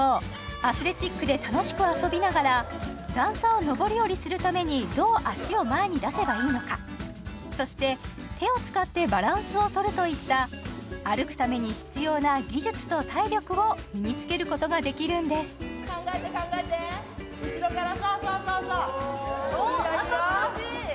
アスレチックで楽しく遊びながら段差を上り下りするためにどう足を前に出せばいいのかそして手を使ってバランスを取るといった歩くために必要な技術と体力を身に付けることができるんです考えて考えて後ろからそうそうそうそういいよいいよ